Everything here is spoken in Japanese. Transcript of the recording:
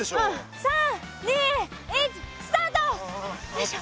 よいしょ。